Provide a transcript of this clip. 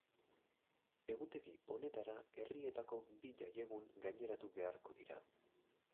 Egutegi honetara herrietako bi jaiegun gaineratu beharko dira.